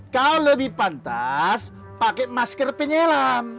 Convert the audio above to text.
kalau lebih pantas pakai masker penyelam